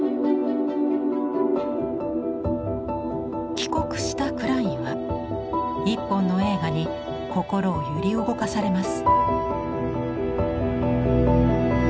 帰国したクラインは一本の映画に心を揺り動かされます。